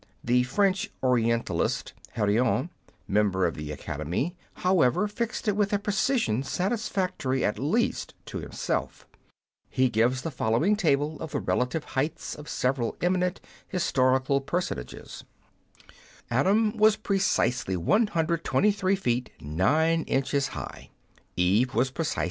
The French orientalist, Henrion, member of the Academy, however, fixed it with a precision satisfactory, at least, to himself. He gives the following table of the relative heights of several eminent historical personages :— Adam was precisely 123 feet 9 inches high » 9 75 in.